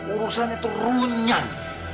urusan itu runyan